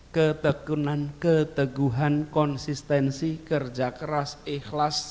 keteguhan keteguhan konsistensi kerja keras ikhlas sanggup